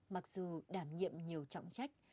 mặc dù đảm nhiệm nhiều trọng trách